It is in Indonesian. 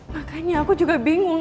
makanya aku juga bingung